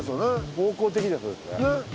方向的にはそうですね。